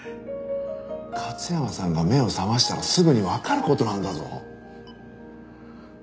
勝山さんが目を覚ましたらすぐにわかる事なんだぞ？